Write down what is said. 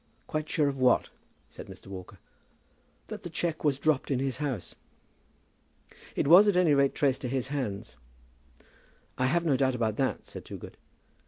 "Quite sure of what?" said Mr. Walker. "That the cheque was dropped in his house." "It was at any rate traced to his hands." "I have no doubt about that," said Toogood.